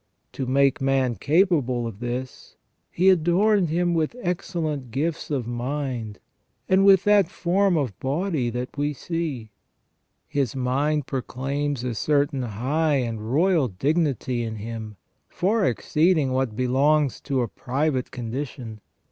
To make man capable of this, He adorned him with excellent gifts of mind, and with that form of body that we see. His mind proclaims a certain high and royal dignity in him, far exceeding what belongs to a private condition.